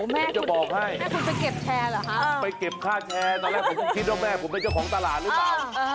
แม่คุณจะเก็บแชร์เหรอครับไปเก็บค่าแชร์ตอนแรกผมคิดว่าแม่ผมไม่ใช่ของตลาดหรือเปล่า